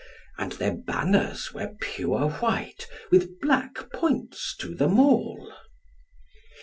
And their banners were pure white, with black points to them all.